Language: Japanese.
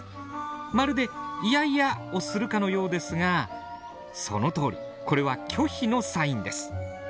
まるで「いやいや」をするかのようですがそのとおりこれは拒否のサインです。